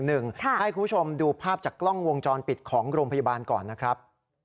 ให้คุณผู้ชมดูภาพจากกล้องวงจรปิดของโรงพยาบาลก่อนนะครับ